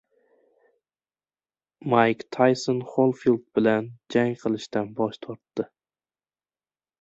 Mayk Tayson Xolifild bilan jang qilishdan bosh tortdi